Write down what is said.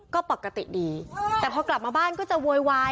ก็ปกติดีแต่พอกลับมาบ้านก็จะโวยวาย